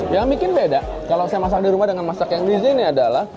yang bikin beda kalau saya masak di rumah dengan masak yang di sini adalah